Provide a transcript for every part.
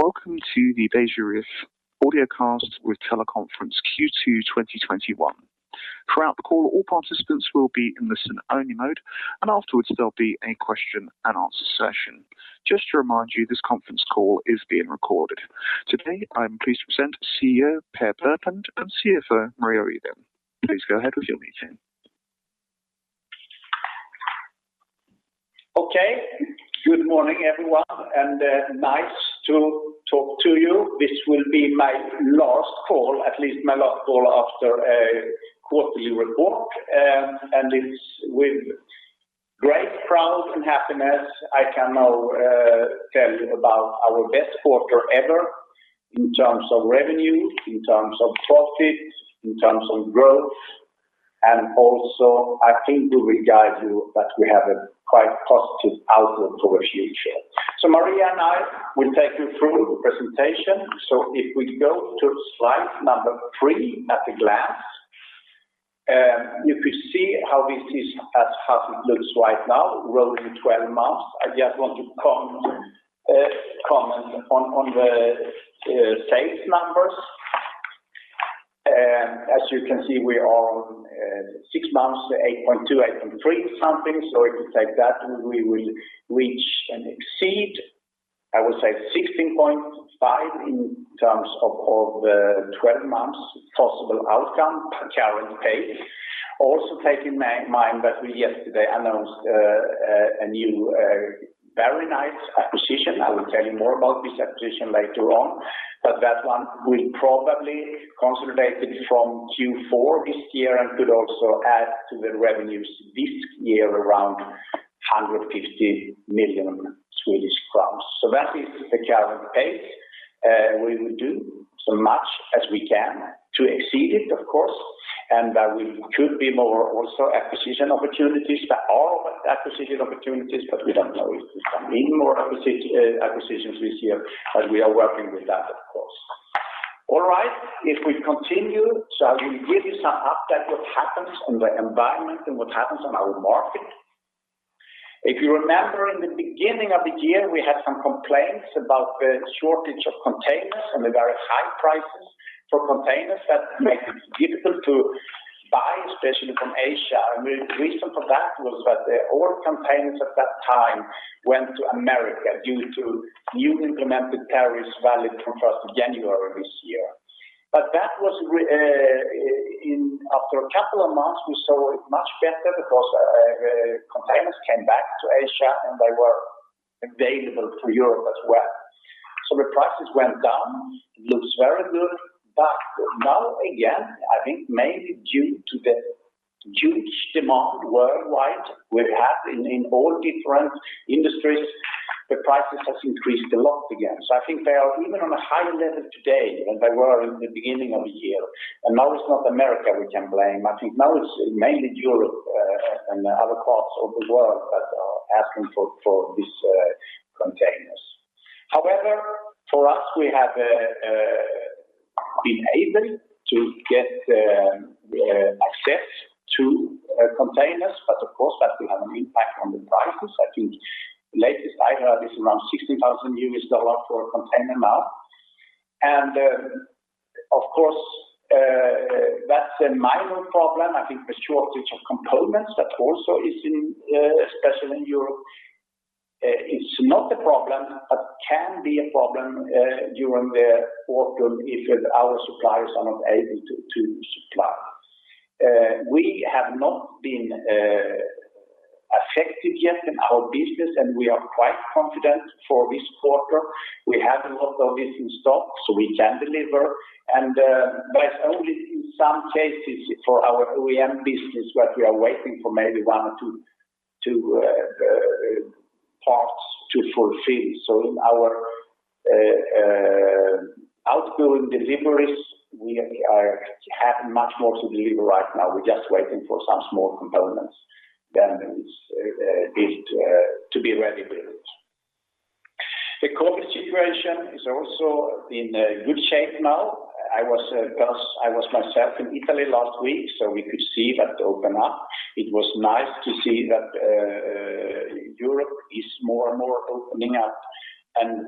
Welcome to the Beijer Ref audiocast with teleconference Q2 2021. Throughout the call, all participants will be in listen-only mode, and afterwards there'll be a question and answer session. Just to remind you, this conference call is being recorded. Today, I'm pleased to present CEO Per Bertland and CFO Maria Rydén. Please go ahead with your meeting. Good morning, everyone. Nice to talk to you. This will be my last call, at least my last call after a quarterly report. It's with great pride and happiness I can now tell you about our best quarter ever in terms of revenue, in terms of profit, in terms of growth. Also, I think we will guide you that we have a quite positive outlook for the future. Maria and I will take you through the presentation. If we go to slide number three, at a glance, if you see how this is as how it looks right now, rolling 12 months, I just want to comment on the sales numbers. As you can see, we are six months, 8.2, 8.3 something. If it's like that, we will reach and exceed, I would say 16.5 in terms of all the 12 months possible outcome at current pace. Also take in mind that we yesterday announced a new, very nice acquisition. I will tell you more about this acquisition later on, that one we probably consolidated from Q4 this year and could also add to the revenues this year around 150 million Swedish crowns. That is the current pace. We will do as much as we can to exceed it, of course, there should be more also acquisition opportunities. There are acquisition opportunities, we don't know if there's coming more acquisitions this year. We are working with that, of course. All right. If we continue, shall we give you some update what happens in the environment and what happens in our market? If you remember in the beginning of the year, we had some complaints about the shortage of containers and the very high prices for containers that makes it difficult to buy, especially from Asia. The reason for that was that all containers at that time went to America due to newly implemented tariffs valid from 1st of January this year. That was after a couple of months, we saw it much better because containers came back to Asia, and they were available for Europe as well. The prices went down. It looks very good. Now again, I think mainly due to the huge demand worldwide we have in all different industries, the prices has increased a lot again. I think they are even on a higher level today than they were in the beginning of the year. Now it's not America we can blame. I think now it's mainly Europe and other parts of the world that are asking for these containers. However, for us, we have been able to get access to containers, but of course, that will have an impact on the prices. I think the latest I heard is around SEK 16,000 for a container now. Of course, that's a minor problem. I think the shortage of components that also is in, especially in Europe, it's not a problem, but can be a problem during the autumn if our suppliers are not able to supply. We have not been affected yet in our business, and we are quite confident for this quarter. We have a lot of it in stock, so we can deliver, and there's only in some cases for our OEM business that we are waiting for maybe one or two parts to fulfill. In our outgoing deliveries, we have much more to deliver right now. We're just waiting for some small components than it to be ready built. The COVID situation is also in a good shape now. I was myself in Italy last week, so we could see that open up. It was nice to see that Europe is more and more opening up, and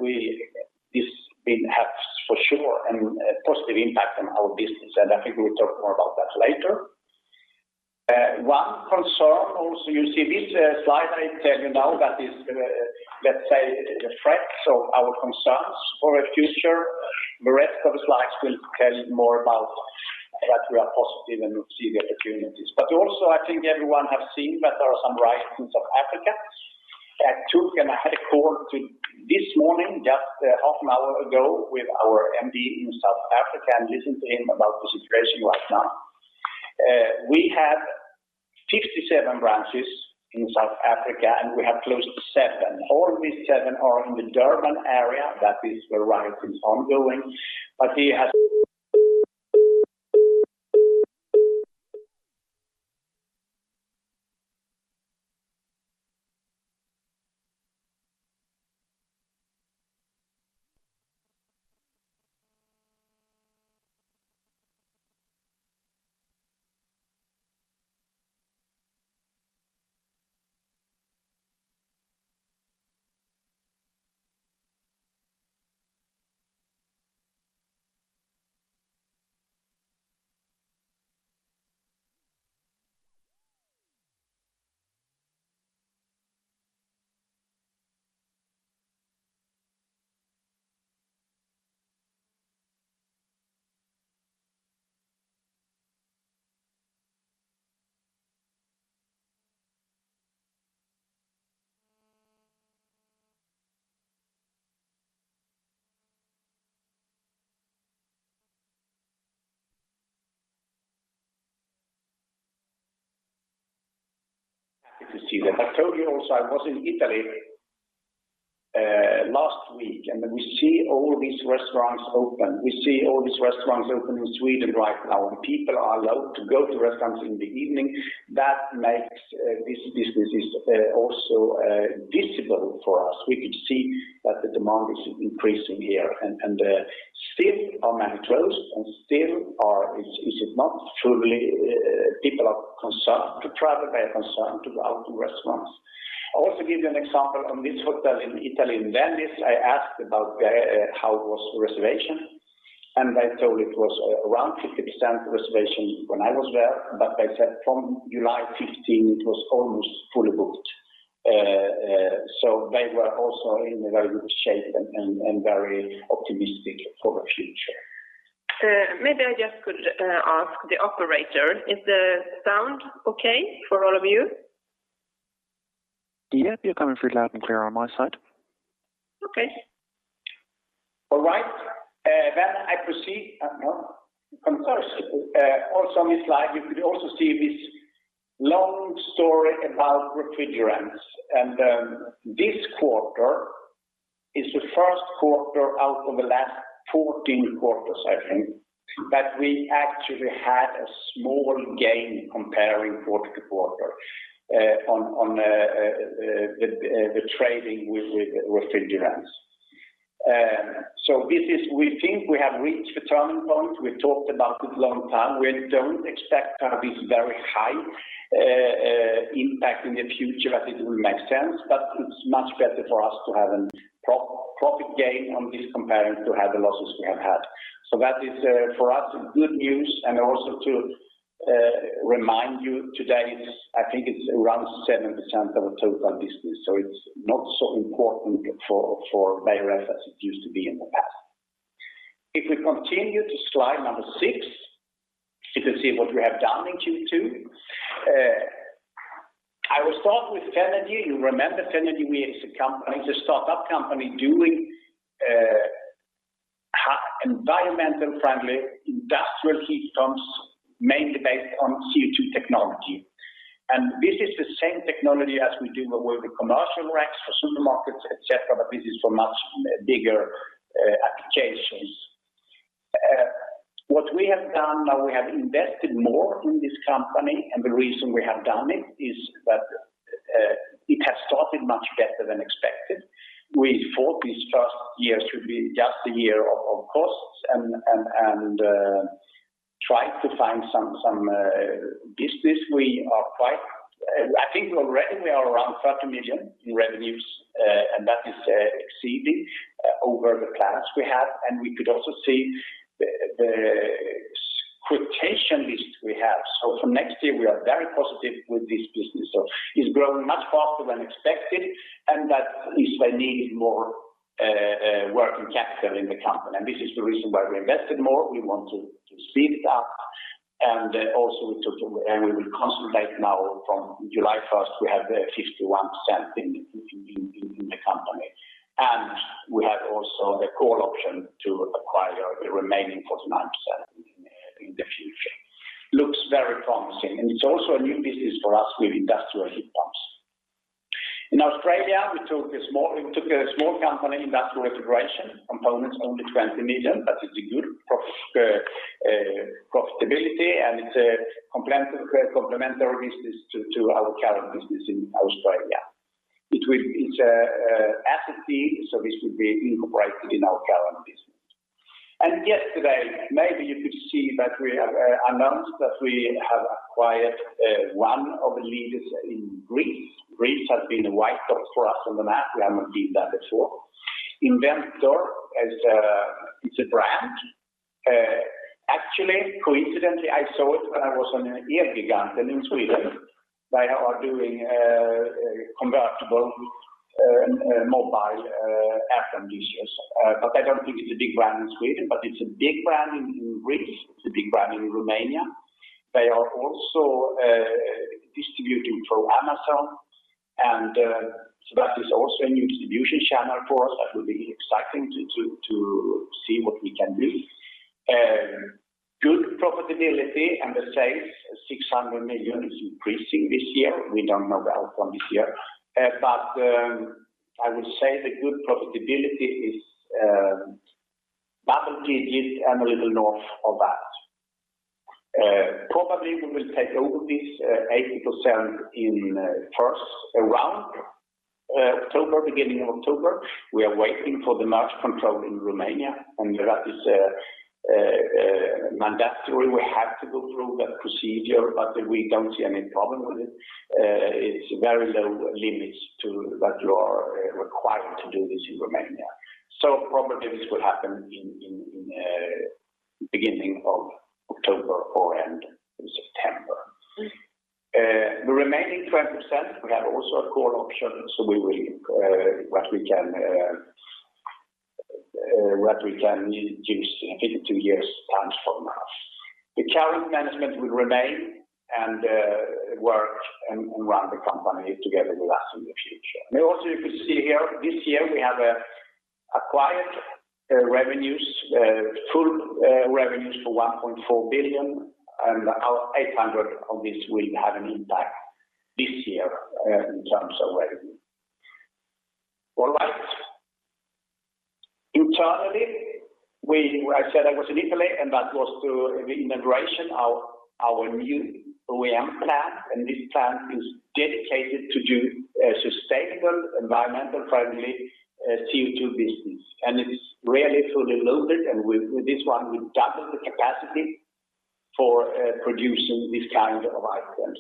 this will have for sure a positive impact on our business. I think we'll talk more about that later. One concern also, you see this slide, I tell you now that is, let's say, reflects our concerns for the future. The rest of the slides will tell you more about that we are positive and we see the opportunities. Also I think everyone has seen that there are some riots in South Africa. I took an call this morning, just a half an hour ago with our MD in South Africa and listened to him about the situation right now. We have 67 branches in South Africa, and we have close to seven. All these seven are in the Durban area. That is where riots is ongoing. He has-You can see that. I told you also I was in Italy last week, and we see all these restaurants open. We see all these restaurants open in Sweden right now. The people are allowed to go to restaurants in the evening. That makes these businesses also visible for us. We could see that the demand is increasing here, and still are many closed and still people are concerned to travel, they are concerned to go out to restaurants. I also give you an example on this hotel in Italy, in Venice. I asked about how was the reservation. They told it was around 50% reservations when I was there. They said from July 15, it was almost fully booked. They were also in a very good shape and very optimistic for the future. Maybe I just could ask the Operator, is the sound okay for all of you? Yep, you're coming through loud and clear on my side. Okay. All right. I proceed. No, I'm sorry. On this slide, you could also see this long story about refrigerants. This quarter is the first quarter out of the last 14 quarters, I think, that we actually had a small gain comparing quarter-over-quarter on the trading with refrigerants. We think we have reached the turning point. We talked about it a long time. We don't expect this very high impact in the future, as it will make sense, but it's much better for us to have a profit gain on this compared to have the losses we have had. That is, for us, a good news and also to remind you today, I think it's around 7% of our total business, so it's not so important for Beijer Ref as it used to be in the past. If we continue to slide six, you can see what we have done in Q2. I will start with Fenagy. You remember Fenagy, it's a startup company doing environmental-friendly industrial heat pumps, mainly based on CO2 technology. This is the same technology as we do with commercial racks for supermarkets, etc., but this is for much bigger applications. What we have done now, we have invested more in this company. The reason we have done it is that it has started much better than expected. We thought this first year should be just a year of costs and trying to find some business. I think already we are around 30 million in revenues. That is exceeding over the plans we had. We could also see the quotation list we have. For next year, we are very positive with this business. It's growing much faster than expected, and that is why we needed more working capital in the company. This is the reason why we invested more. We want to speed it up. Also, we will concentrate now from July 1st, we have 51% in the company. We have also the call option to acquire the remaining 49% in the future. Looks very promising. It's also a new business for us with industrial heat pumps. In Australia, we took a small company, Industrial Refrigeration Components, only 20 million, but it's a good profitability, and it's a complementary business to our current business in Australia. It's an asset, so this will be incorporated in our current business. Yesterday, maybe you could see that we have announced that we have acquired one of the leaders in Greece. Greece has been a white spot for us on the map. We haven't been there before. Inventor, it's a brand. Actually, coincidentally, I saw it when I was on a DIY Jungel in Sweden. They are doing convertible mobile air conditioners. I don't think it's a big brand in Sweden, but it's a big brand in Greece. It's a big brand in Romania. They are also distributing through Amazon. That is also a new distribution channel for us that will be exciting to see what we can do. Good profitability and the sales, 600 million is increasing this year. We don't know that from this year. I will say the good profitability is double digits and a little north of that. Probably, we will take over this 80% in first round October, beginning of October. We are waiting for the merge control in Romania, and that is mandatory. We have to go through that procedure, we don't see any problem with it. It's a very low limit that you are required to do this in Romania. Probably this will happen in the beginning of October or end of September. The remaining 20%, we had also a call option, we will, what we can use in two years' time from now. The current management will remain and work and run the company together with us in the future. You can see here this year we have acquired full revenues for 1.4 billion and 800 million of this will have an impact this year in terms of revenue. All right. Italy, I said I was in Italy, that was to the inauguration of our new OEM plant, this plant is dedicated to do sustainable, environmental-friendly CO2 business. It's really fully loaded, and with this one, we double the capacity for producing these kind of items.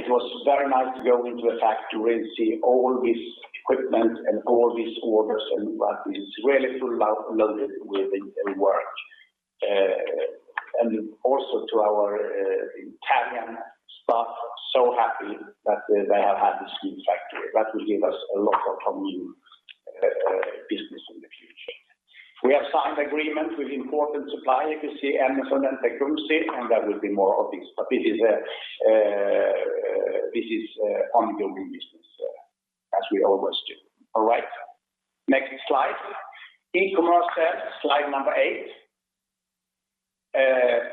It was very nice to go into the factory and see all this equipment and all these orders and what is really full loaded with work. Also to our Italian staff, so happy that they have this new factory. That will give us a lot of new business in the future. We have signed agreement with important suppliers. You can see Amazon and Tecumseh, and there will be more of these, but this is ongoing business as we always do. All right. Next slide. e-commerce sales, slide number eight.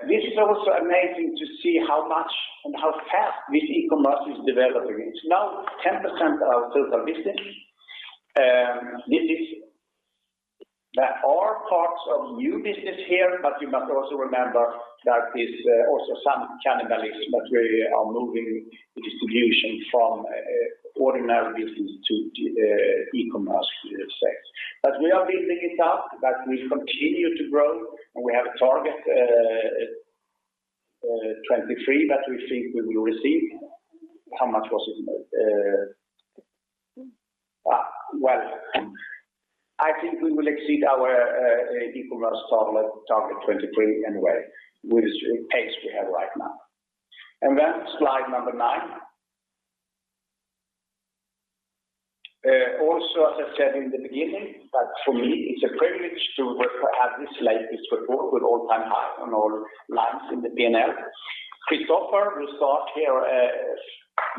This is also amazing to see how much and how fast this e-commerce is developing. It's now 10% of total business. There are parts of new business here. You must also remember that it's also some cannibalism that we are moving distribution from ordinary business to e-commerce sales. We are building it up, that will continue to grow, and we have a target 2023 that we think we will exceed. How much was it? Well, I think we will exceed our e-commerce target 2023 anyway with the pace we have right now. Slide number nine. Also, as I said in the beginning, that for me, it's a privilege to have this slide, this report with all-time high on all lines in the P&L. Christopher will start here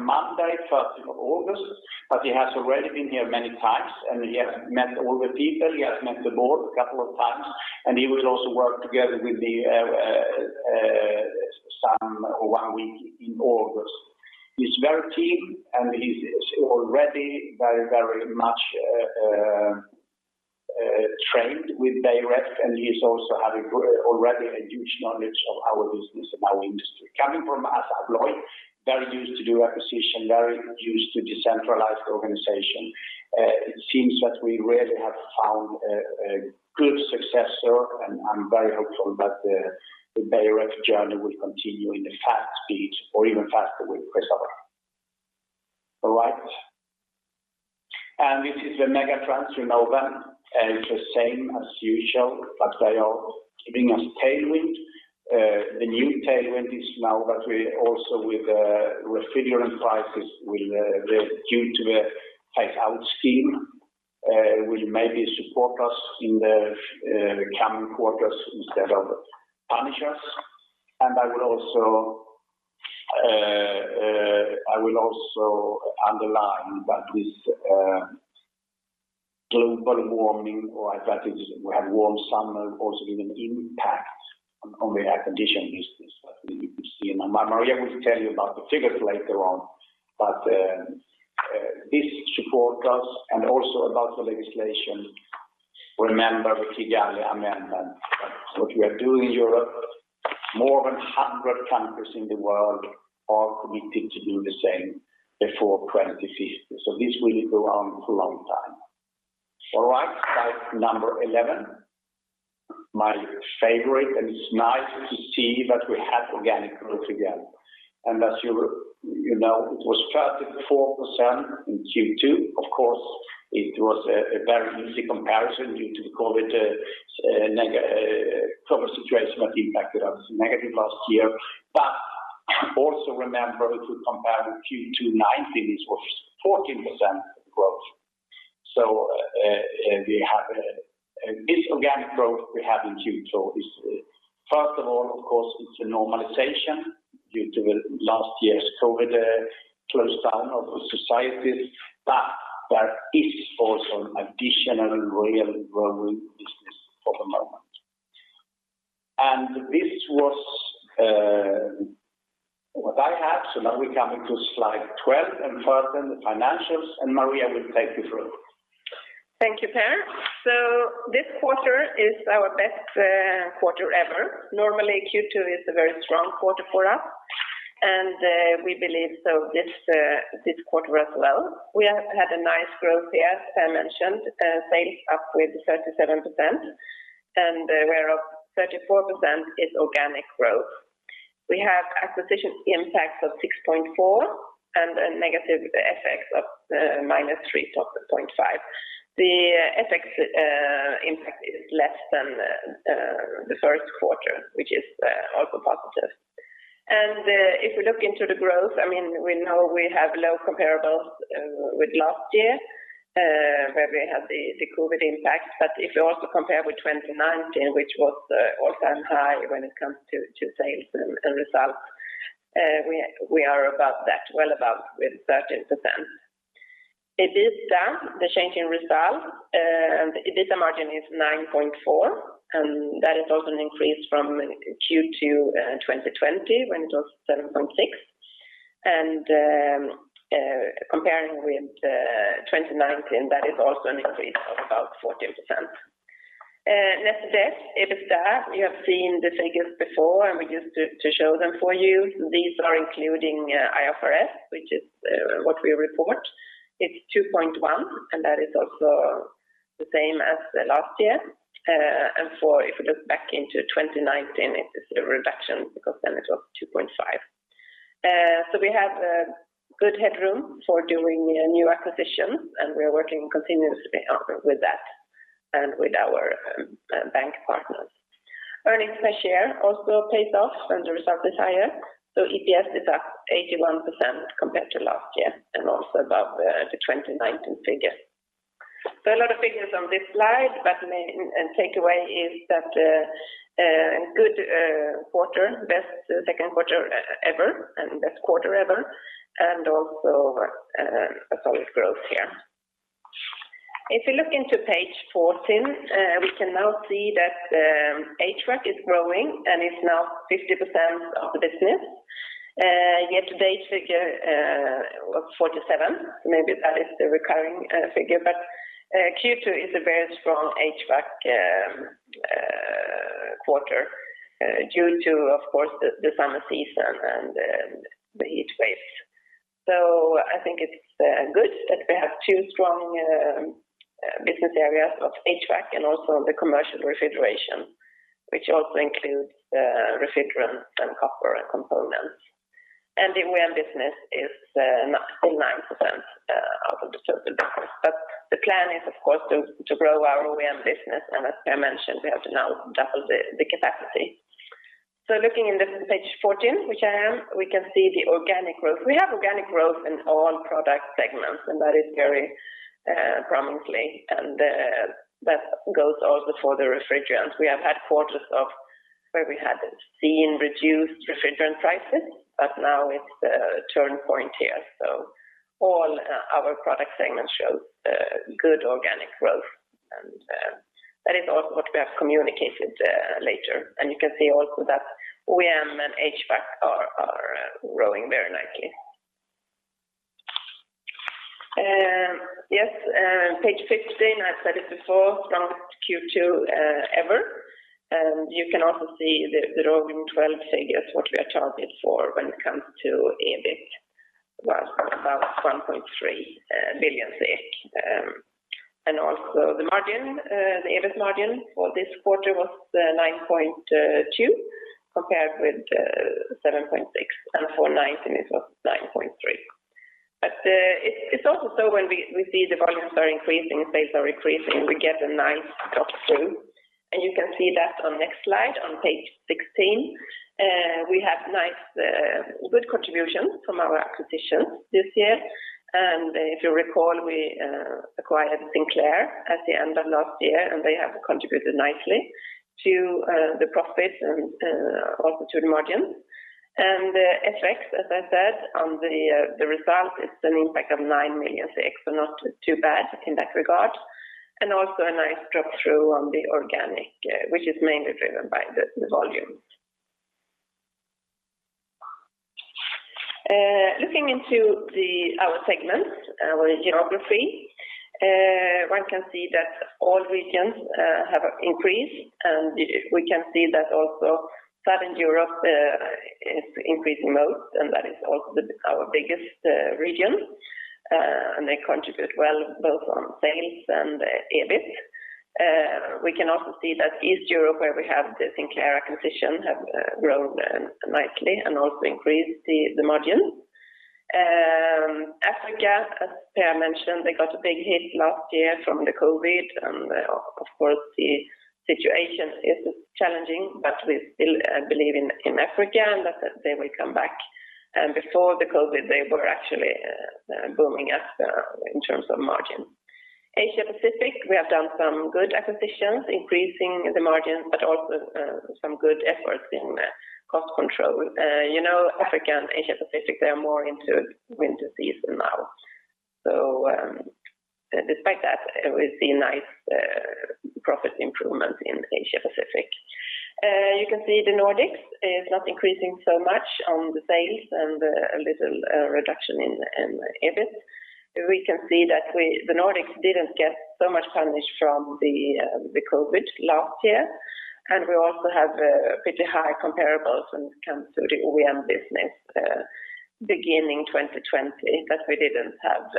Monday, 1st of August, but he has already been here many times, and he has met all the people. He has met the board a couple of times, and he will also work together with Sam for one week in August. He's very keen, and he's already very much trained with Beijer Ref, and he also already has a huge knowledge of our business and our industry. Coming from ASSA ABLOY, very used to due diligence, very used to decentralized organization. It seems that we really have found a good successor, and I'm very hopeful that the Beijer Ref journey will continue in a fast speed or even faster with Christopher. All right. This is the mega trends. You know them. It's the same as usual, but they are giving us tailwind. The new tailwind is now that we also with the refrigerant prices due to the take-out scheme will maybe support us in the coming quarters instead of punish us. I will also underline that this global warming or I think this warm summer also given impact on the air condition business that you can see. Maria will tell you about the figures later on. This support us and also about the legislation. Remember the Kigali Amendment, that what we are doing in Europe, more than 100 countries in the world are committed to do the same before 2050. This will go on for a long time. All right, slide number 11, my favorite, and it's nice to see that we have organic growth again. As you know, it was 34% in Q2. Of course, it was a very easy comparison due to COVID situational impact that was negative last year. Also remember, if we compare with Q2 2019, it was 14% growth. This organic growth we have in Q2 is, first of all, of course, it's a normalization due to last year's COVID close down of the societies. That is also an additional real growing business for the moment. This was what I had. Now we come into slide 12 and further into financials, and Maria will take it from here. Thank you, Per. This quarter is our best quarter ever. Normally, Q2 is a very strong quarter for us, and we believe so this quarter as well. We have had a nice growth here, as Per mentioned, sales up with 37%, and thereof 34% is organic growth. We have acquisition impact of 6.4% and a negative FX of -3.5%. The FX impact is less than the first quarter, which is also positive. If we look into the growth, we know we have low comparables with last year, where we had the COVID impact. If you also compare with 2019, which was all-time high when it comes to sales and results, we are above that, well above, with 30%. EBITDA, the change in result, the EBITDA margin is 9.4%, and that is also an increase from Q2 2020 when it was 7.6%. Comparing with 2019, that is also an increase of about 14%. Net debt, EBITDA, we have seen the figures before, we just show them for you. These are including IFRS, which is what we report. It's 2.1, that is also the same as last year. If we look back into 2019, it is a reduction because then it was 2.5. We have good headroom for doing new acquisitions, we are working continuously with that and with our bank partners. Earnings per share also pays off when the results are higher. EPS is up 81% compared to last year and also above the 2019 figures. A lot of figures on this slide, the main takeaway is that good quarter, best second quarter ever, best quarter ever, also a solid growth here. If you look into page 14, we can now see that HVAC is growing and is now 50% of the business. Year-to-date figure was 47%, mainly that is the recurring figure. Q2 is a very strong HVAC quarter due to, of course, the summer season and the heat waves. I think it's good that we have two strong business areas of HVAC and also the commercial refrigeration, which also includes refrigerants and copper components. The OEM business is now 9% of the total revenue. The plan is, of course, to grow our OEM business. As Per mentioned, we have to now double the capacity. Looking into page 14, which I am, we can see the organic growth. We have organic growth in all product segments, and that is very promising. That goes also for the refrigerants. We have had quarters where we have seen reduced refrigerant prices, but now it is a turning point here. All our product segments show good organic growth, and that is also what we have communicated later. You can see also that OEM and HVAC are growing very nicely. Yes, page 15, I said it before, strongest Q2 ever. You can also see the rolling 12 figures, what we are targeted for when it comes to EBIT, about 1.3 million SEK. Also the margin, the EBIT margin for this quarter was 9.2% compared with 7.6%, and for 2019 it was 9.3%. It is also where we see the volumes are increasing, sales are increasing, we get a nice drop through. You can see that on the next slide on page 16. We have good contributions from our acquisitions this year. If you recall, we acquired Sinclair at the end of last year, and they have contributed nicely to the profit and also to the margin. FX, as I said, on the result, it's an impact of 9 million SEK, so not too bad in that regard. Also a nice drop-through on the organic, which is mainly driven by the volume. Looking into our segments, our geography, one can see that all regions have increased. We can see that also Southern Europe is increasing most, and that is also our biggest region. They contribute well both on sales and EBIT. We can also see that East Europe, where we have the Sinclair acquisition, have grown nicely and also increased the margin. Africa, as Per mentioned, they got a big hit last year from the COVID, and of course, the situation is challenging, but we still believe in Africa and that they will come back. Before the COVID, they were actually booming us in terms of margin. Asia-Pacific, we have done some good acquisitions, increasing the margins, but also some good efforts in cost control. Africa and Asia-Pacific, they are more into winter season now. Despite that, we see nice profit improvement in Asia-Pacific. You can see the Nordics is not increasing so much on the sales and a little reduction in EBIT. We can see that the Nordics didn't get so much advantage from the COVID last year, and we also have pretty high comparables when it comes to the OEM business beginning 2020 that we didn't have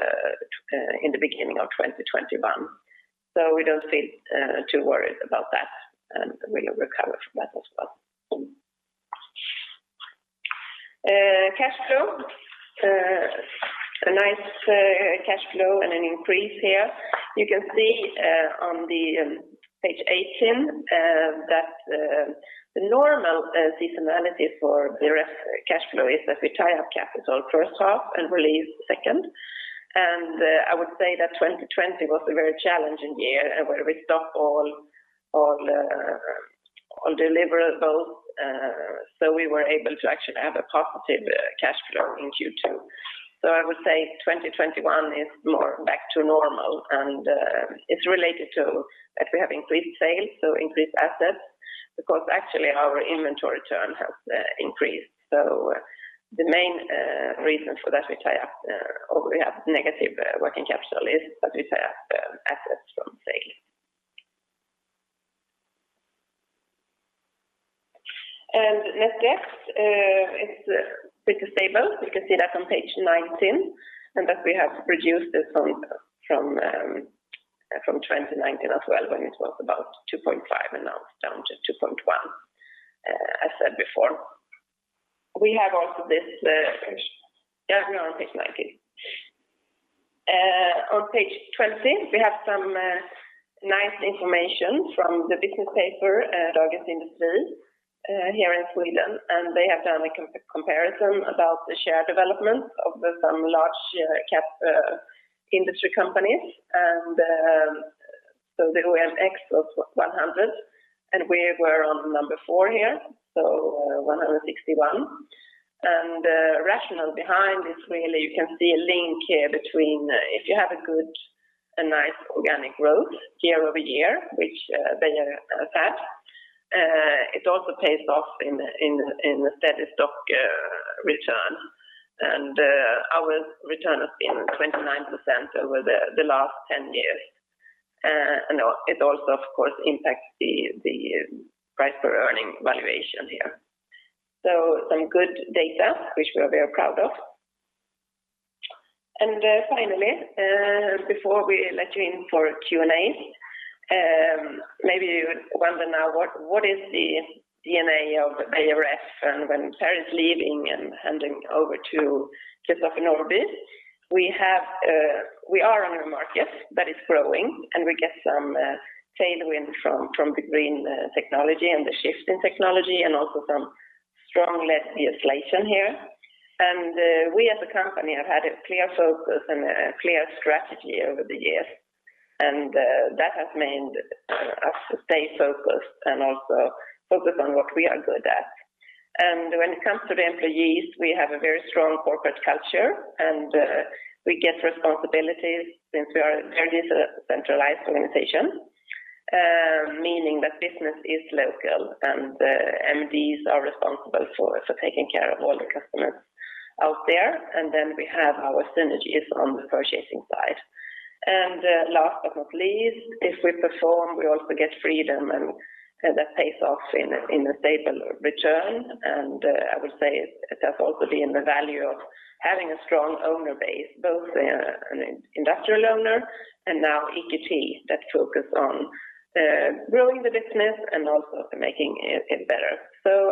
in the beginning of 2021. We don't need to worry about that, and we will recover from that as well. Cash flow. A nice cash flow and an increase here. You can see on page 18 that the normal seasonality for the rest of cash flow is that we tie up capital first half and release second. I would say that 2020 was a very challenging year where we stopped all deliverables. We were able to actually have a positive cash flow in Q2. I would say 2021 is more back to normal and it's related to actually having increased sales, so increased assets, because actually our inventory churn has increased. The main reason for that, we have negative working capital is that we have assets from sales. Net debt is pretty stable. You can see that on page 19, and that we have reduced this from 2019 as well when it was about 2.5, and now it's down to 2.1, as said before. Yeah, we're on page 19. On page 20, we have some nice information from the business paper, Dagens Industri, here in Sweden. They have done a comparison about the share development of some large cap industry companies and some of the OMXS 100. We were on number four here, so 161. The rationale behind is really you can see a link here between if you have a good and nice organic growth year-over-year, which they assess, it also pays off in the steady stock return. Our return has been 29% over the last 10 years. It also, of course, impacts the price to earnings valuation here. Some good data, which we're very proud of. Finally, before we let you in for Q and A, maybe you wonder now what is the DNA of Beijer Ref and when Per is leaving and handing over to Christopher Norbye. We are in a market that is growing, and we get some tailwind from the green technology and the shift in technology and also some strong legislation here. We as a company have had a clear focus and a clear strategy over the years, and that has made us stay focused and also focus on what we are good at. When it comes to the employees, we have a very strong corporate culture, and we get responsibilities since we are a very decentralized organization, meaning that business is local and the MDs are responsible for taking care of all the customers out there. Then we have our synergies on the purchasing side. Last but not least, if we perform, we also get freedom, and that pays off in a stable return. I would say that's also been the value of having a strong owner base, both an industrial owner and now EQT that focus on growing the business and also making it better.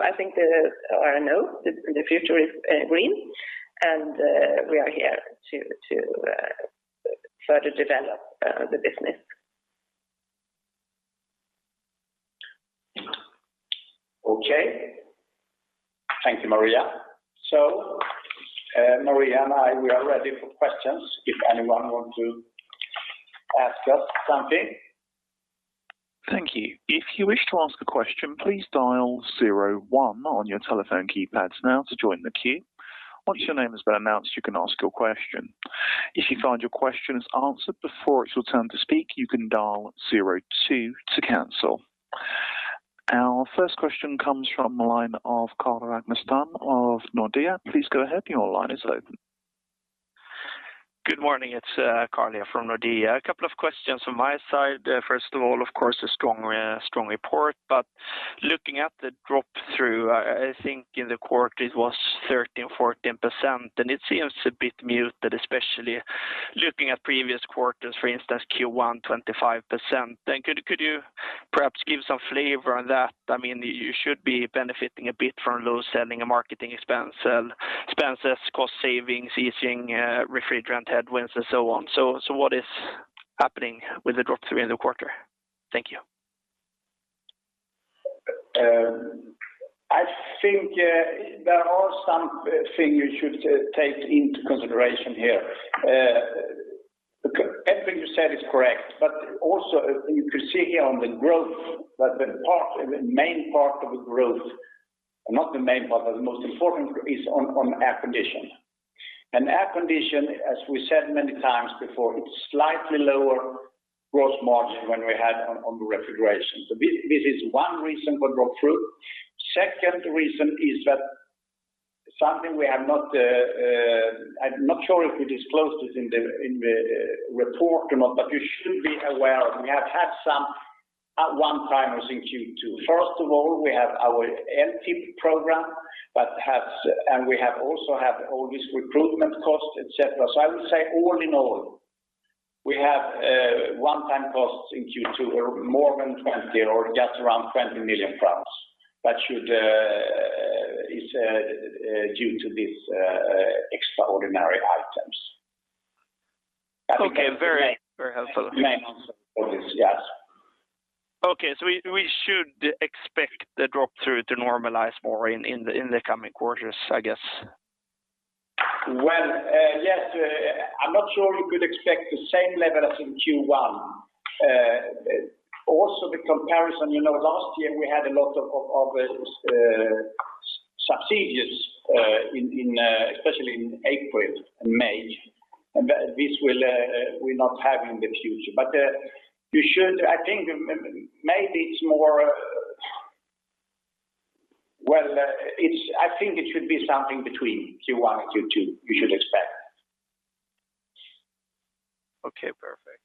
I think there are notes that the future is green, and we are here to try to develop the business. Okay. Thank you, Maria. Maria and I, we are ready for questions if anyone wants to ask us something. Thank you. If you wish to ask a question, please dial zero one on your telephone keypads now to join the queue. Once your name has been announced, you can ask your question. If you find your question is answered before it's your turn to speak, you can dial zero two to cancel. Our first question comes from the line of Carl Ragnerstam of Nordea. Please go ahead. Your line is open. Good morning. It's Carl from Nordea. A couple of questions from my side. First of all, of course, a strong report. Looking at the drop through, I think in the quarter it was 13%, 14%, and it seems a bit muted, especially looking at previous quarters, for instance, Q1, 25%. Could you perhaps give some flavor on that? You should be benefiting a bit from low selling and marketing expenses, cost savings using refrigerant headwinds and so on. What is happening with the drop through in the quarter? Thank you. I think there are some things you should take into consideration here. Everything you said is correct, also you can see here on the growth that the main part of the growth, not the main part, but the most important is on air condition. And air condition, as we said many times before, it's slightly lower gross margin than we had on the refrigeration. This is one reason for drop through. Second reason is that something I'm not sure if we disclosed it in the report or not, but you should be aware of, we have had some one-timers in Q2. First of all, we have our LTP program, and we have also had all these recruitment costs, et cetera. I would say all in all, we have one-time costs in Q2 are more than 20 or just around SEK 20 million, but should be due to these extraordinary items. Okay. Very helpful. Thanks. Yes. Okay, we should expect the drop-through to normalize more in the coming quarters, I guess. Well, yes. I'm not sure we could expect the same level as in Q1. Also the comparison, last year we had a lot of subsidies especially in April and May, and this we'll not have in the future. I think it should be something between Q1 and Q2, we should expect. Okay, perfect.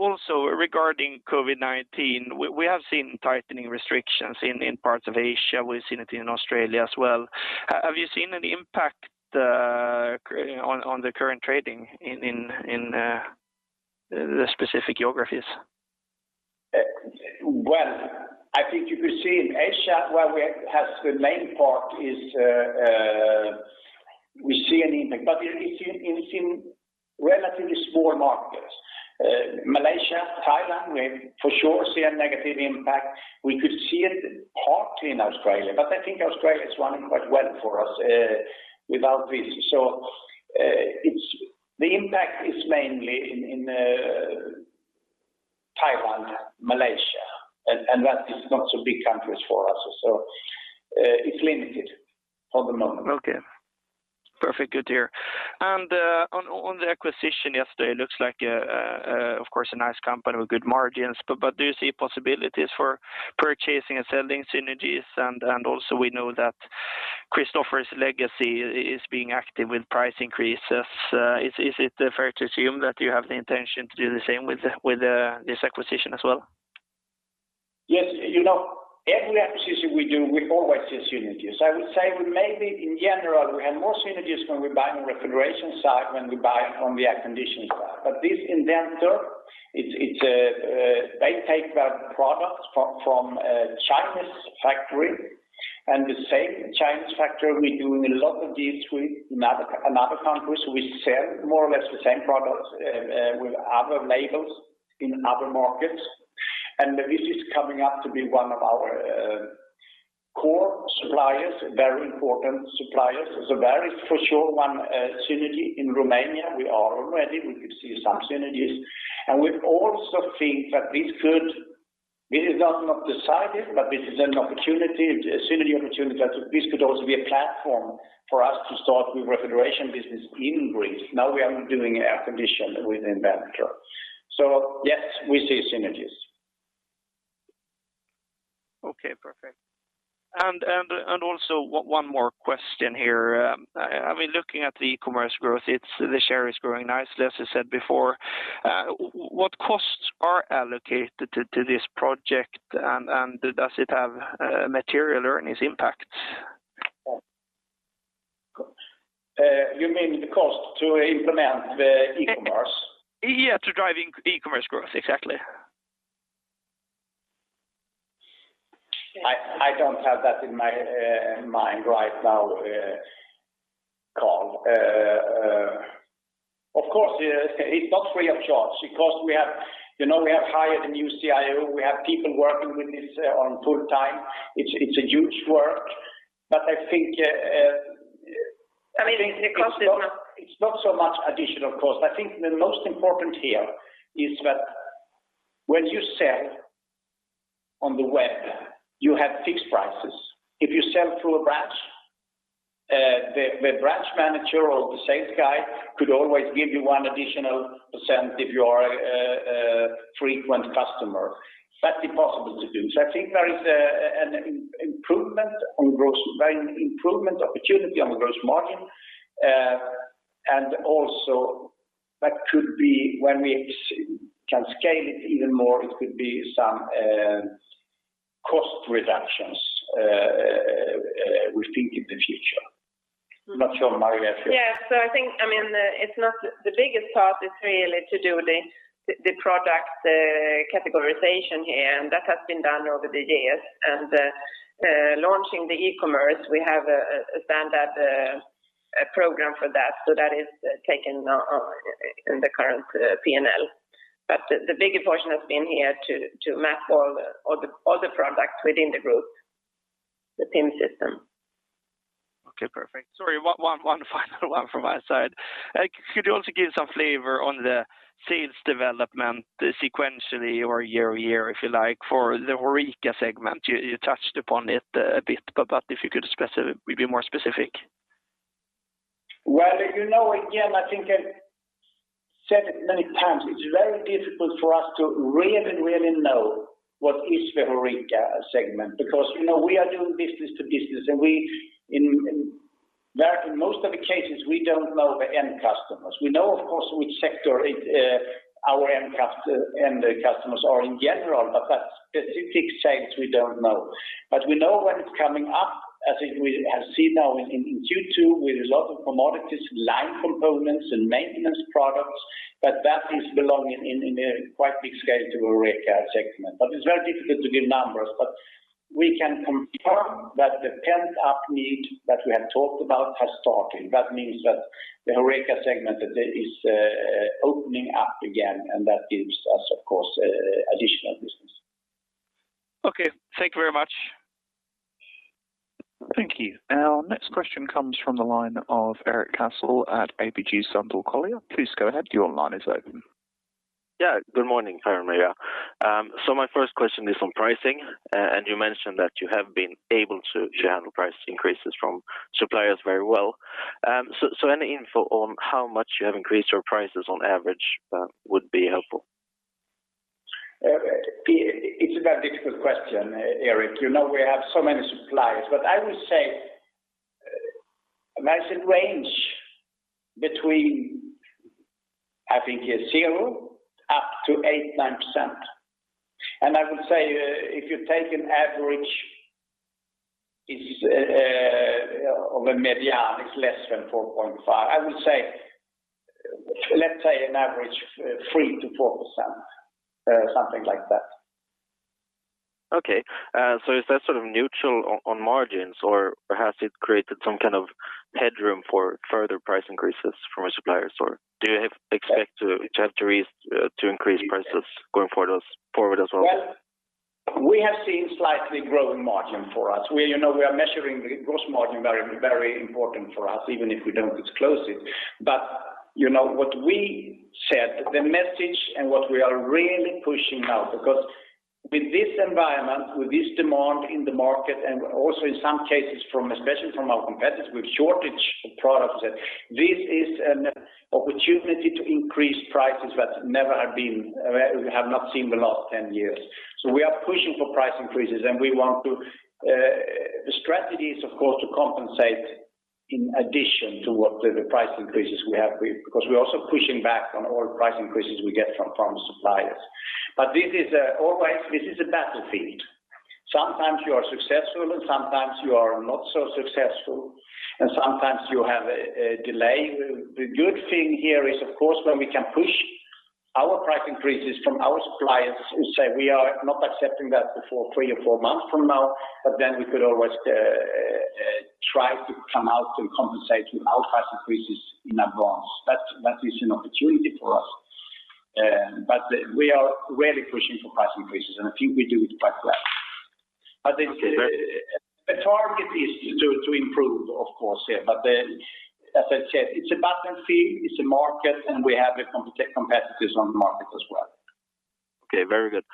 Also regarding COVID-19, we have seen tightening restrictions in parts of Asia. We've seen it in Australia as well. Have you seen an impact on the current trading in the specific geographies? I think you could see in Asia, where we have the main part is we see an impact, but it's in relatively small markets. Malaysia, Thailand, we for sure see a negative impact. We could see it partly in Australia, but I think Australia is running quite well for us without this. The impact is mainly in Taiwan and Malaysia, and that is not so big countries for us. It's limited for the moment. Okay. Perfect. Good to hear. On the acquisition yesterday, it looks like of course a nice company with good margins. Do you see possibilities for purchasing and selling synergies? Also we know that Christopher's legacy is being active with price increases. Is it fair to assume that you have the intention to do the same with this acquisition as well? Yes. Every acquisition we do, we always see synergies. I would say we maybe in general, we have more synergies when we buy on refrigeration side than we buy on the air condition side. This Inventor, they take their products from a Chinese factory, and the same Chinese factory we are doing a lot of deals with in other countries. We sell more or less the same products with other labels in other markets. This is coming up to be one of our core suppliers, very important suppliers. There is for sure one synergy in Romania. We are already, we could see some synergies. We also think that we have not decided, but this is an opportunity, a synergy opportunity that this could also be a platform for us to start the refrigeration business in Greece. Now we are only doing air condition with Inventor. Yes, we see synergies. Okay, perfect. Also one more question here. Looking at the e-commerce growth, the share is growing nicely, as I said before. What costs are allocated to this project, and does it have material earnings impact? You mean the cost to implement the e-commerce? Yes, to drive e-commerce growth. Exactly. I don't have that in my mind right now, Carl. Of course it's not free of charge because we have hired a new CIO, we have people working with this on full time. It's a huge work. I think it's not so much additional cost. I think the most important here is that when you sell on the web, you have fixed prices. If you sell through a branch, the branch manager or the sales guy could always give you one additional percent if you are a frequent customer. That's impossible to do. I think there is an improvement opportunity on gross margin. Also that could be when we can scale it even more, it could be some cost reductions we think in the future. Not sure, Maria. I think, the biggest part is really to do the product categorization here, and that has been done over the years. Launching the e-commerce, we have a stand-up program for that. That is taken in the current P&L. The bigger portion has been here to map all the products within the group, the same system. Okay, perfect. Sorry, one final one from my side. Could you also give some flavor on the sales development, sequentially or year-over-year, if you like, for the HoReCa segment? You touched upon it a bit, but if you could be more specific. Well, again, I think I've said it many times, it's very difficult for us to really know what is the HoReCa segment, because we are doing business-to-business, and in most of the cases, we don't know the end customers. We know, of course, which sector our end customers are in general, but that specific segment we don't know. We know when it's coming up, as we have seen now in Q2 with a lot of commodities, line components, and maintenance products, that is belonging in a quite big scale to the HoReCa segment. It's very difficult to give numbers. We can confirm that the pent-up need that we have talked about has started. That means that the HoReCa segment is opening up again, and that gives us, of course, additional business. Okay. Thank you very much. Thank you. Our next question comes from the line of Erik Cassel at ABG Sundal Collier. Please go ahead. Your line is open. Yeah. Good morning, Per, Maria. My first question is on pricing. You mentioned that you have been able to handle price increases from suppliers very well. Any info on how much you have increased your prices on average would be helpful. It's a very difficult question, Erik. We have so many suppliers, I would say a massive range between, I think 0 up to 8%-10%. I would say if you take an average of a median is less than 4.5. I would say, let's say an average 3%-4%, something like that. Okay. Is that neutral on margins, or has it created some kind of headroom for further price increases from suppliers? Do you expect to increase prices going forward as well? We have seen slightly growing margin for us. We are measuring the gross margin, very important for us, even if we don't disclose it. What we said, the message, and what we are really pushing now, because with this environment, with this demand in the market, and also in some cases especially from our competitors, with shortage of products, this is an opportunity to increase prices that we have not seen the last 10 years. We are pushing for price increases, and the strategy is, of course, to compensate in addition to what the price increases we have, because we're also pushing back on all price increases we get from suppliers. This is a battlefield. Sometimes you are successful, and sometimes you are not so successful, and sometimes you have a delay. The good thing here is, of course, when we can push our price increases from our suppliers and say, "We are not accepting that before three or four months from now," we could always try to come out and compensate from our price increases in advance. That is an opportunity for us. We are really pushing for price increases, and I think we do it quite well. The target is to improve, of course, yeah. As I said, it's a battlefield, it's a market, and we have competitors on the market as well. Okay, very good.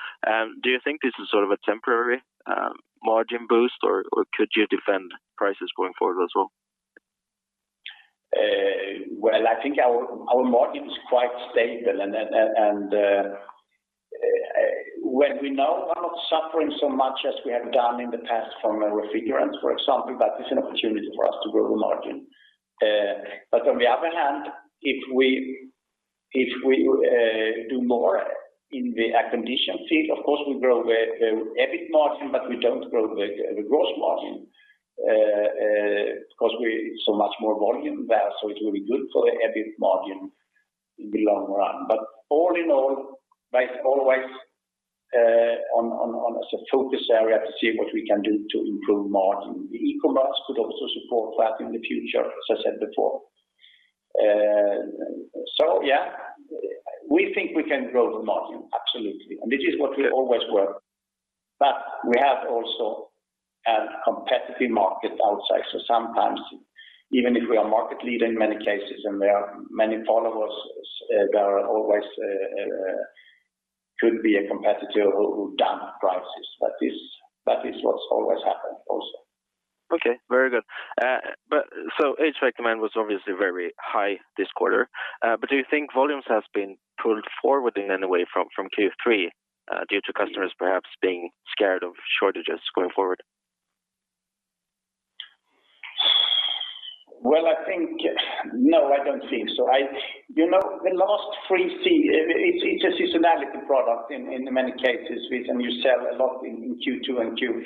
Do you think this is sort of a temporary margin boost, or could you defend prices going forward as well? Well, I think our margin is quite stable. When we now are not suffering so much as we have done in the past from refrigerants, for example, that is an opportunity for us to grow the margin. On the other hand, if we do more in the air conditioning field, of course, we grow the EBIT margin, but we don't grow the gross margin, because it's so much more volume there. It will be good for the EBIT margin in the long run. All in all, it's always a focus area to see what we can do to improve margin. The e-commerce could also support that in the future, as I said before. Yeah, we think we can grow the margin, absolutely. This is what we always work. We have also a competitive market outside. Sometimes, even if we are market leader in many cases, and there are many followers, there always could be a competitor who dump prices. That is what has always happened also. Very good. HVAC demand was obviously very high this quarter. Do you think volumes have been pulled forward in any way from Q3 due to customers perhaps being scared of shortages going forward? Well, I think no, I don't think so. The last AC, it's a seasonality product in many cases. We can sell a lot in Q2 and Q3.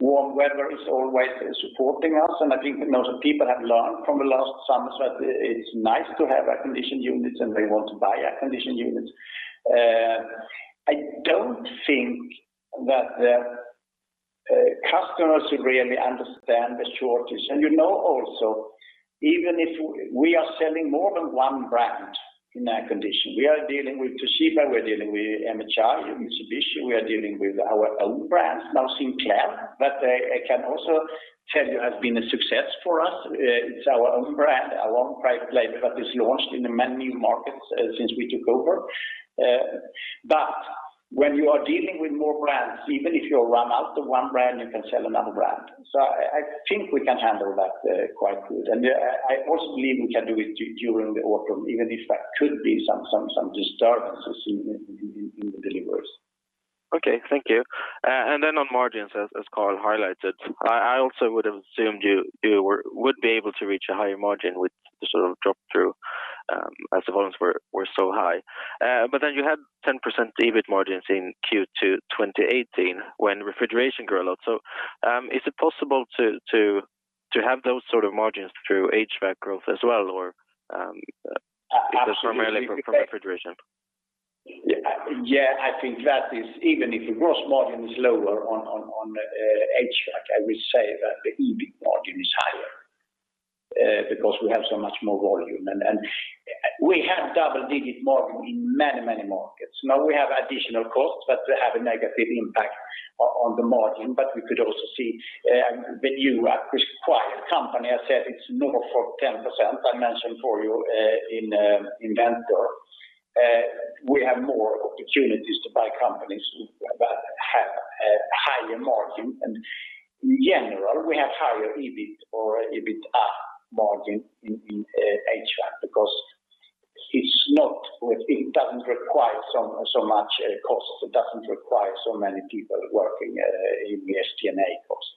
Warm weather is always supporting us, and I think a lot of people have learned from the last summer that it's nice to have air conditioning units, and they want to buy air conditioning units. I don't think that the customers really understand the shortage. You know also, even if we are selling more than one brand in air conditioning, we are dealing with Toshiba, we are dealing with MHI, Mitsubishi, we are dealing with our own brand now, Sinclair. I can also tell you, has been a success for us. It's our own brand, a long-price label that is launched in many markets since we took over. When you are dealing with more brands, even if you run out of one brand, you can sell another brand. I think we can handle that quite good. I also believe we can do it during the autumn, even if that should be some disturbances in the deliveries. Okay. Thank you. On margins, as Carl highlighted, I also would have assumed you would be able to reach a higher margin with drop through as the volumes were so high. You had 10% EBIT margins in Q2 2018 when refrigeration grew a lot. Is it possible to have those sort of margins through HVAC growth as well, or is it primarily from refrigeration? I think that even if the gross margin is lower on HVAC, I will say that the EBIT margin is higher because we have so much more volume. We have double-digit margin in many, many markets. We have additional costs that have a negative impact on the margin, we could also see the new acquired company. I said it's lower for 10%, I mentioned for you in Inventor. We have more opportunities to buy companies that have higher margin. In general, we have higher EBIT or EBITA margin in HVAC because it doesn't require so much cost. It doesn't require so many people working in the SG&A cost.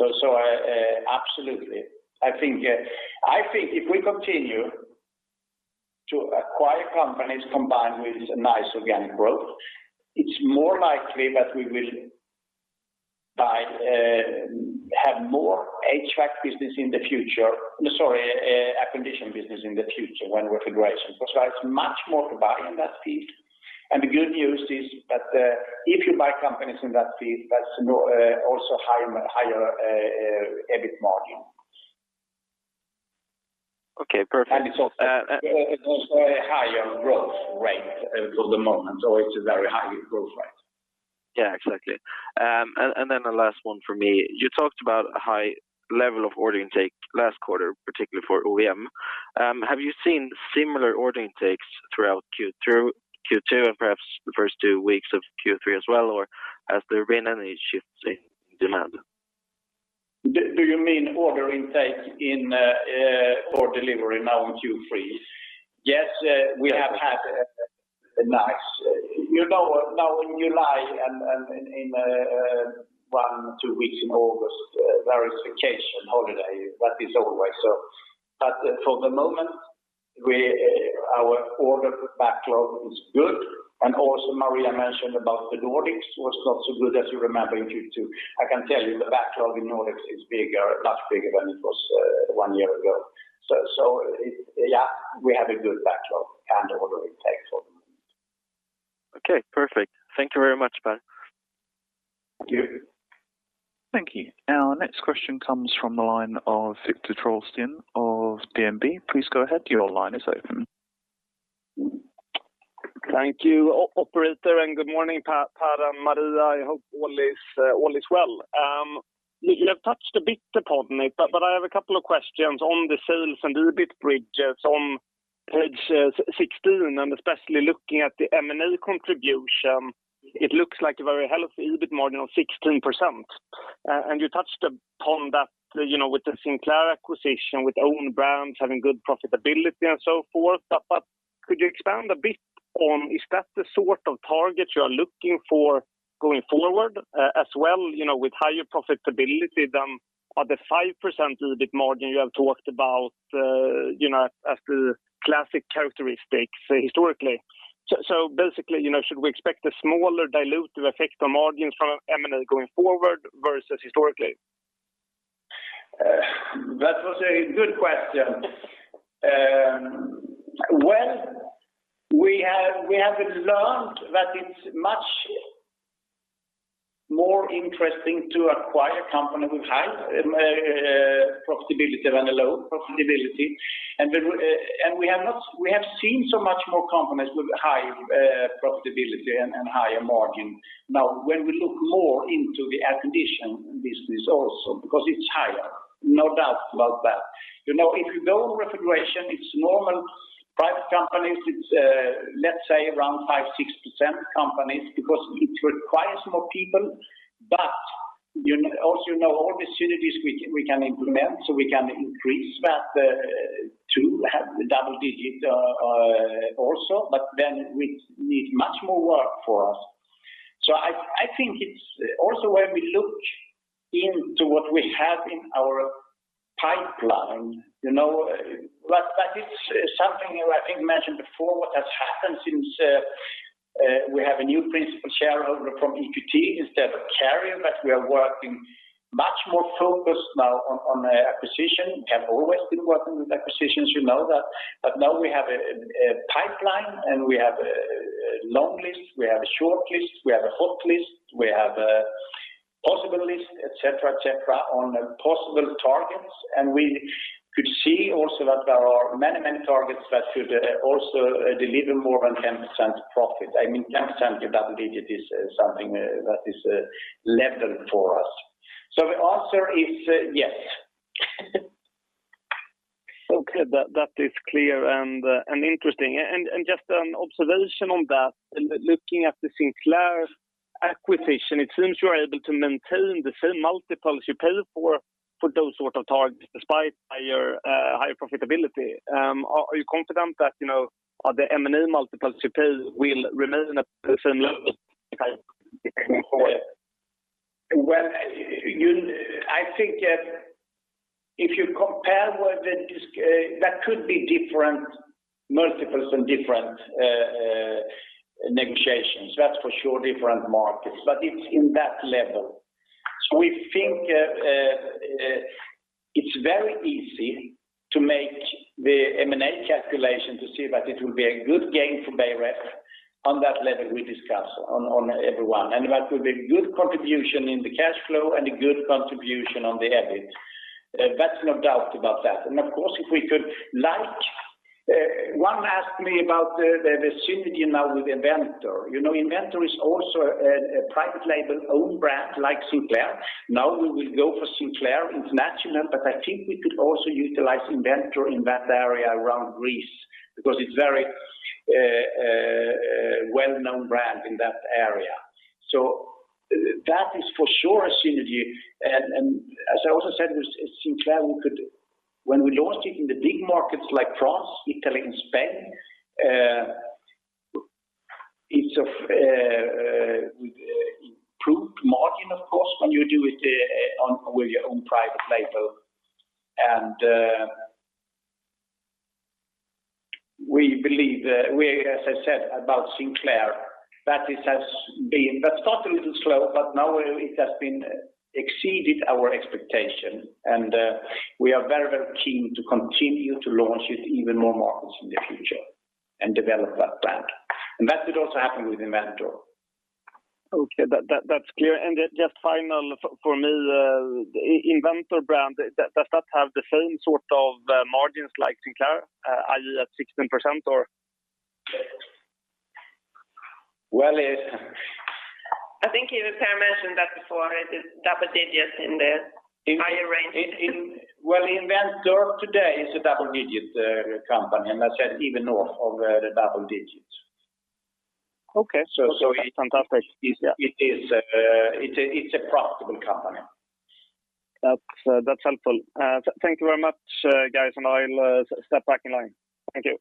Absolutely. I think if we continue to acquire companies combined with a nice organic growth, it's more likely that we will have more air conditioning business in the future than refrigeration, because there's much more to buy in that field. The good news is that if you buy companies in that field, that's also higher EBIT margin. Okay, perfect. It is a higher growth rate for the moment, or it's a very high growth rate. Yeah, exactly. The last one from me. You talked about a high level of order intake last quarter, particularly for OEM. Have you seen similar order intakes throughout Q2 and perhaps the first two weeks of Q3 as well? Has there been any shift in demand? Do you mean order intake for delivery now in Q3? Yes, we have had a nice now in July, and in one, two weeks in August, there is vacation, holiday. That is always. For the moment, our order backlog is good. Also Maria mentioned about the Nordics was not so good as you remember in Q2. I can tell you the backlog in Nordics is much bigger than it was one year ago. Yeah, we have a good backlog and order intake for the moment. Okay, perfect. Thank you very much, Per. Thank you. Thank you. Our next question comes from the line of Viktor Trollsten of DNB. Please go ahead, your line is open. Thank you, operator, and good morning, Per and Maria. I hope all is well. You have touched a bit upon it. I have a couple of questions on the sales and EBIT bridges on page 16, and especially looking at the M&A contribution. It looks like a very healthy EBIT margin of 16%. You touched upon that with the Sinclair acquisition, with own brands having good profitability and so forth. Could you expand a bit on, is that the sort of target you are looking for going forward as well, with higher profitability than the 5% EBIT margin you have talked about as the classic characteristics historically? Basically, should we expect a smaller dilutive effect on margin from M&A going forward versus historically? That was a good question. Well, we have learned that it's much more interesting to acquire companies with high profitability than a low profitability. We have seen so many more companies with high profitability and higher margin. Now when we look more into the air condition business also, because it's higher, no doubt about that. If you know refrigeration, it's normal private companies, it's let's say around 5%-6% companies because it requires more people. You also know all the synergies we can implement, we can increase that to have double-digit also, it needs much more work for us. I think it's also when we look into what we have in our pipeline. That is something I think I mentioned before that has happened since we have a new principal shareholder from EQT instead of Carrier, that we are working much more focused now on acquisition. We have always been working with acquisitions, you know that, but now we have a pipeline and we have a long list, we have a short list, we have a hot list, we have a possible list, et cetera, on possible targets. We could see also that there are many targets that should also deliver more than 10% profit. I mean, 10% double-digit is something that is a level for us. The answer is yes. Okay. That is clear and interesting. Just an observation on that, looking at the Sinclair acquisition, it seems you are able to maintain the same multiples you pay for those sorts of targets despite your high profitability. Are you confident that the M&A multiples you pay will remain at a similar type going forward? I think if you compare what that could be different multiples and different negotiations, that's for sure, different markets, but it's in that level. We think it's very easy to make the M&A calculation to see that it will be a good gain for Beijer Ref on that level we discussed on everyone, and that will be a good contribution in the cash flow and a good contribution on the EBIT. That's no doubt about that. Of course, one asked me about the synergy now with Inventor. Inventor is also a private label own brand like Sinclair. Now we will go for Sinclair International, but I think we could also utilize Inventor in that area around Greece because it's a very well-known brand in that area. That is for sure a synergy. As I also said, with Sinclair, when we launched it in the big markets like France, Italy, and Spain, it's improved margin, of course, when you do it with your own private label. We believe that, as I said about Sinclair, that started a little slow, but now it has exceeded our expectation, and we are very keen to continue to launch it even more markets in the future and develop that brand. That could also happen with Inventor. Okay. That's clear. Just final for me, Inventor brand, does that have the same sort of margins like Sinclair, are you at 16% or? Well- I think Per mentioned that before. It is double digits in the higher ranges. Well, Inventor today is a double-digit company, and that's even north of the double digits. Okay. It's on that basis, yeah. It's a profitable company. That's helpful. Thank you very much, guys, and I'll step back in line. Thank you.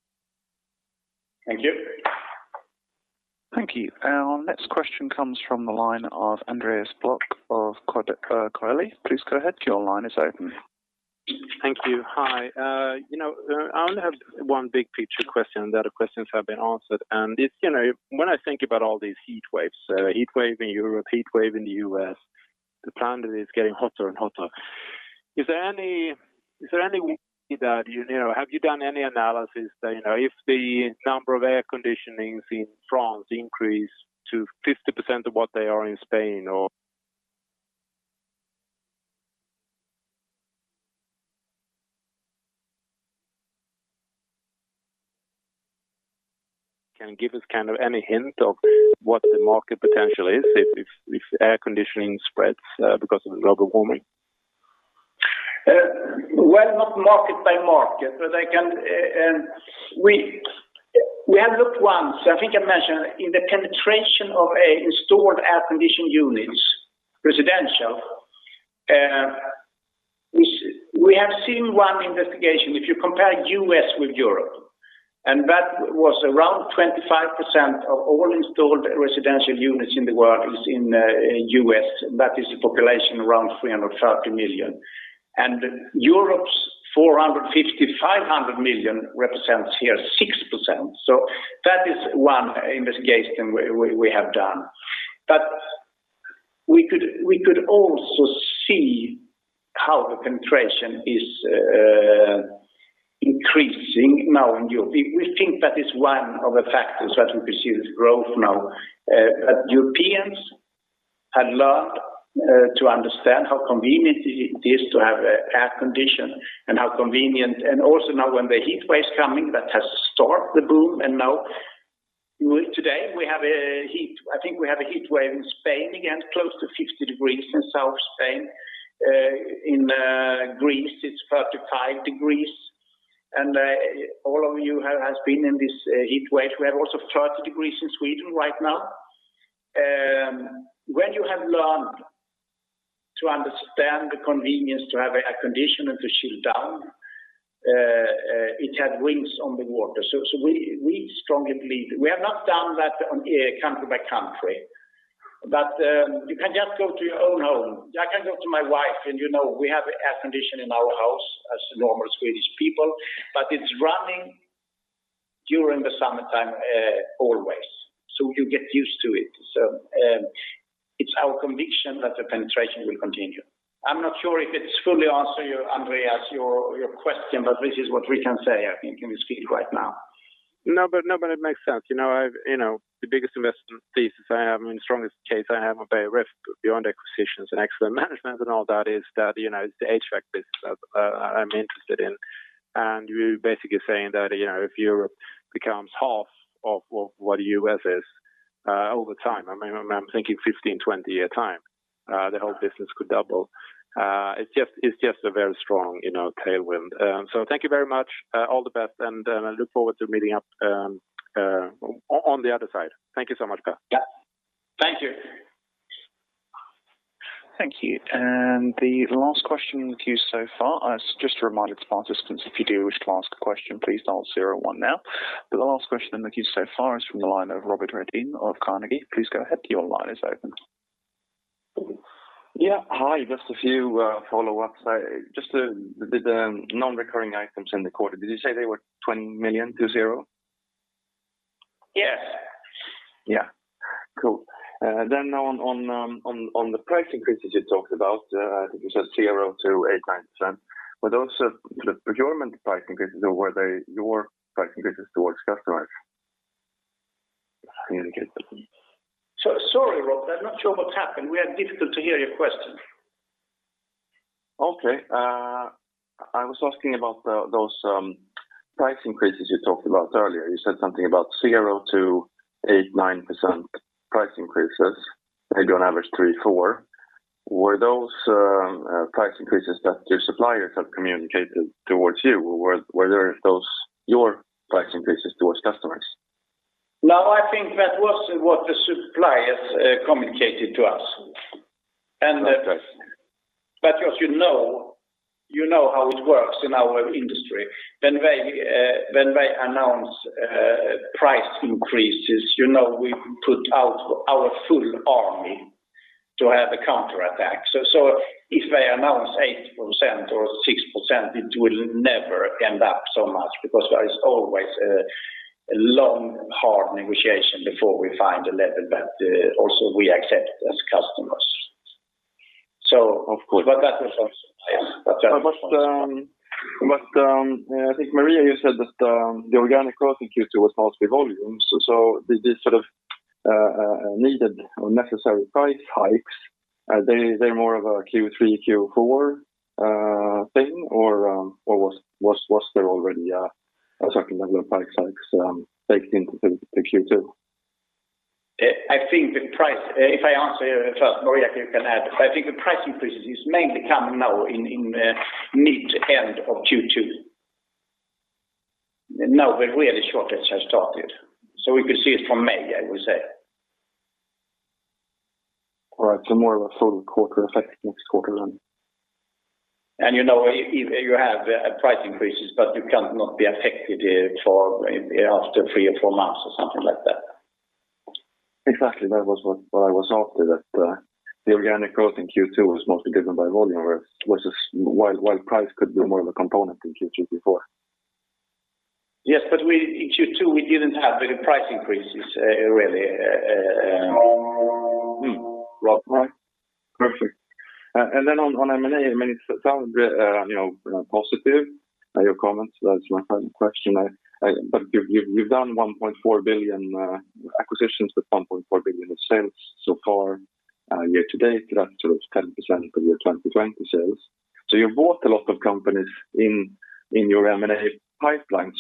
Thank you. Thank you. Our next question comes from the line of Andreas Brock of Coeli. Please go ahead. Your line is open. Thank you. Hi. I only have one big picture question. The other questions have been answered, and when I think about all these heatwaves, heatwave in Europe, heatwave in the U.S., the planet is getting hotter and hotter. Have you done any analysis that if the number of air conditionings in France increase to 50% of what they are in Spain or can you give us any hint of what the market potential is if air conditioning spreads because of global warming? Not market-by-market, but we have looked once, I think I mentioned, in the penetration of installed air conditioning units, residential. We have seen one investigation, which we compared U.S. with Europe, and that was around 25% of all installed residential units in the world is in U.S., that is a population around 330 million. Europe's 450 million-500 million represents here 6%. That is one investigation we have done. We could also see how the penetration is increasing now in Europe. We think that is one of the factors that we pursue this growth now. Europeans had learned to understand how convenient it is to have air condition. Also now when the heatwave is coming, that has started the boom, and now today I think we have a heatwave in Spain again, close to 50 degrees in South Spain. In Greece, it's 35 degrees. All of you have been in this heatwave. We have also 30 degrees in Sweden right now. When you have learned to understand the convenience to have air conditioning, to chill down, it had wings on the water. We strongly believe that we have not done that country-by-country. You can just go to your own home. I can go to my wife, and you know we have air conditioning in our house as normal Swedish people, but it's running during the summertime always, so you get used to it. It's our conviction that the penetration will continue. I'm not sure if it fully answers, Andreas, your question, but this is what we can say, I think, in Sweden right now. No, it makes sense. The biggest investment thesis I have and the strongest case I have of Beijer Ref beyond acquisitions and excellent management and all that is that it's the HVAC business that I'm interested in. You're basically saying that if Europe becomes half of what U.S. is overtime. I'm thinking 15, 20-year time, the whole business could double. It's just a very strong tailwind. Thank you very much. All the best, and I look forward to meeting up on the other side. Thank you so much, guys. Yeah. Thank you. Thank you. The last question in the queue so far. Just a reminder to participants, if you do wish to ask a question, please dial zero one now. The last question in the queue so far is from the line of Robert Redin of Carnegie. Please go ahead. Your line is open. Yeah. Hi, just a few follow-ups. Just the non-recurring items in the quarter, did you say they were 20 million-0? Yeah. Yeah. Cool. On the price increases you talked about, I think you said 0%-8%, 9%, but also the procurement price increases or were they your price increases towards customers? Sorry, Rob, I'm not sure what's happened. We have difficulty hearing your question. Okay. I was asking about those price increases you talked about earlier. You said something about 0% to 8%-9% price increases. Maybe on average 3%-4%. Were those price increases that your suppliers have communicated towards you, or were those your price increases towards customers? No, I think that was what the suppliers communicated to us. Okay. As you know how it works in our industry. When they announce price increases, we put out our full army to have a counterattack. If they announce 8% or 7% or 6%, it will never end up so much because there's always a long, hard negotiation before we find a level that also we accept as customers. Of course. That was also, yeah. I think, Maria, you said that the organic growth in Q2 was mostly volumes. These sort of needed or necessary price hikes, are they more of a Q3, Q4 thing, or was there already a certain level of price hikes taking into the Q2? If I answer first, Maria, you can add. I think the price increases mainly come now in mid-to-end of Q2. Now the really shortage has started. We could see it from May, I would say. All right. More of a full quarter effect next quarter, then. You know, you have price increases, but you cannot be affected after three or four months or something like that. Exactly. That was what I was after, that the organic growth in Q2 was mostly driven by volume. While price could be more of a component in Q3, Q4. Yes, in Q2, we didn't have any price increases, really. Perfect. On M&A, I mean, it sounds very positive, your comments. That's my final question. You've done 1.4 billion acquisitions with 1.4 billion of sales so far year-to-date. That's sort of 10% of your 2020 sales. You've bought a lot of companies in your M&A pipeline.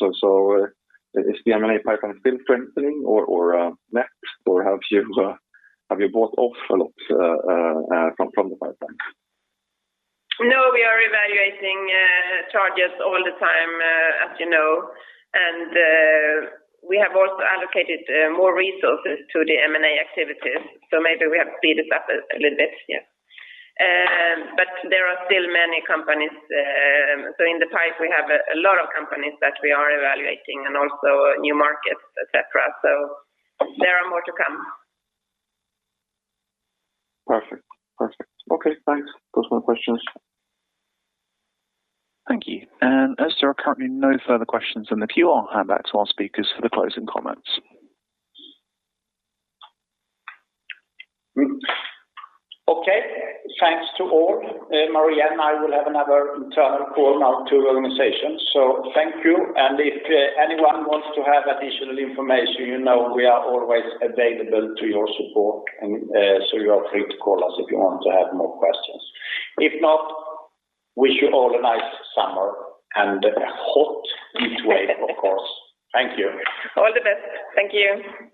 Is the M&A pipeline still strengthening or lapped, or have you bought off a lot from the pipeline? We are evaluating targets all the time, as you know, and we have also allocated more resources to the M&A activities. Maybe we have speed it up a little bit, yeah. There are still many companies. In the pipe, we have a lot of companies that we are evaluating and also new markets, et cetera. There are more to come. Perfect. Okay, thanks. Those are my questions. Thank you. As there are currently no further questions in the queue, I'll hand back to our speakers for the closing comments. Okay, thanks to all. Maria and I will have another internal call now to the organization. Thank you. If anyone wants to have additional information, you know we are always available to your support. You're free to call us if you want to add more questions. If not, wish you all a nice summer and a hot heatwave, of course. Thank you. All the best. Thank you.